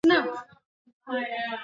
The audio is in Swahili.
ya Kaskazini tangu karne ya kumi na Saba